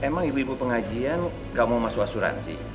emang ibu ibu pengajian gak mau masuk asuransi